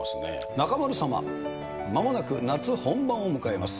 中丸様、まもなく夏本番を迎えます。